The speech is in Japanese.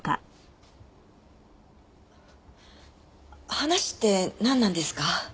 話ってなんなんですか？